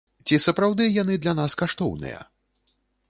Ці сапраўды яны для нас каштоўныя?